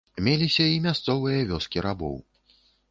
Меліся і мясцовыя вёскі рабоў.